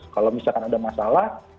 kalau misalkan ada masalah